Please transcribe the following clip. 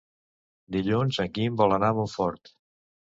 Dilluns en Guim vol anar a Montfort.